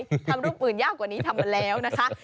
ทำรูปอื่นยากกว่านี้ทำมาแล้วนะคะ